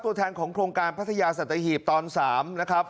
ตัวแทนของโครงการพัทยาสัตหีบตอน๓นะครับ